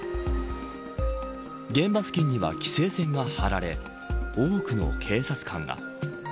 現場付近には規制線が張られ多くの警察官が。